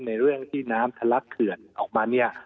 ในเรื่องที่น้ำทะลักเขื่อนออกมาเนี่ย